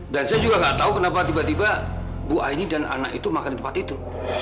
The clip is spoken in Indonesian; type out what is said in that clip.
dan saya juga gak tahu kenapa tiba tiba bu aini dan anak itu makan di tempat itu